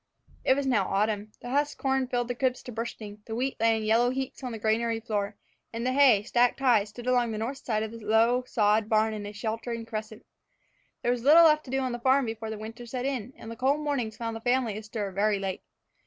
It was now autumn. The husked corn filled the cribs to bursting, the wheat lay in yellow heaps on the granary floor, and the hay, stacked high, stood along the north side of the low, sod barn in a sheltering crescent. There was little left to do on the farm before the winter set in, and the cold mornings found the family astir very late.